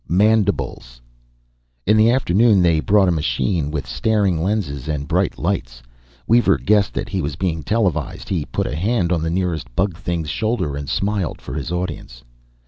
MANDIBLES." In the afternoon, they brought a machine with staring lenses and bright lights. Weaver guessed that he was being televised; he put a hand on the nearest bug thing's shoulder, and smiled for his audience.